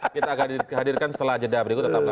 kita akan dihadirkan setelah jeda berikut tetap lagi